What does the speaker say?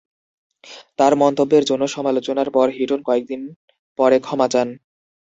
তার মন্তব্যের জন্য সমালোচনার পর, হিটন কয়েকদিন পরে ক্ষমা চান।